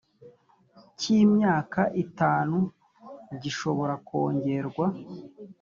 cy imyaka itanu gishobora kongerwa